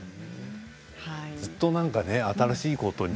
ずっと、新しいことに。